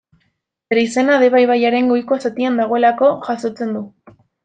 Bere izena Deba ibaiaren goiko zatian dagoelako jasotzen du.